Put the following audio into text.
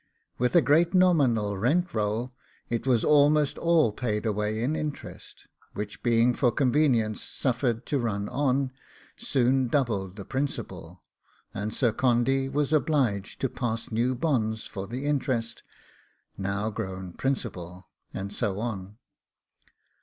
With a great nominal rent roll, it was almost all paid away in interest; which being for convenience suffered to run on, soon doubled the principal, and Sir Condy was obliged to pass new bonds for the interest, now grown principal, and so on.